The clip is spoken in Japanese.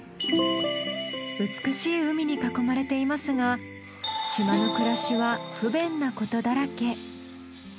美しい海に囲まれていますが島の暮らしは不便なことだらけ。